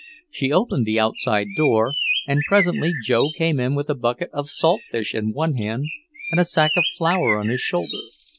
She opened the outside door, and presently Joe came in with a bucket of salt fish in one hand and a sack of flour on his shoulder.